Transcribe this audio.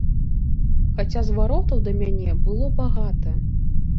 Хаця зваротаў да мяне было багата.